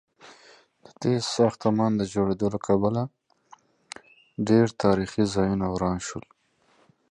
Due to this new construction, many historic properties were destroyed.